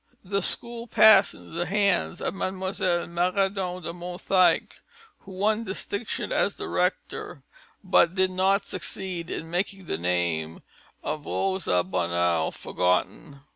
The school passed into the hands of Mlle. Maraudon de Monthycle, who won distinction as a director, but did not succeed in making the name of Rosa Bonheur forgotten.